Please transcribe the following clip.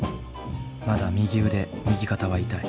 まだ右腕右肩は痛い。